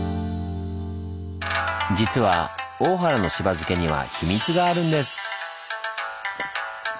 実は大原のしば漬けには秘密があるんです！